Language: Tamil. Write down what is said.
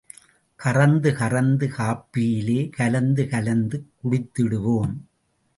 கறந்து கறந்து காப்பியிலே கலந்து கலந்து குடித்திடுவோம்.